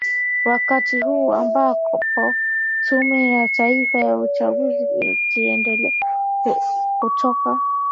wakati huu ambapo tume ya taifa ya uchaguzi ikiendelea kutoa